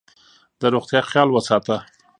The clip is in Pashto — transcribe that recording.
د روغتیا خیال وساته.